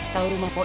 tahu rumah poncum